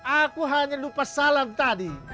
aku hanya lupa salam tadi